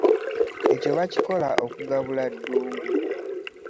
Ekyo bakikola okugabula Ddungu.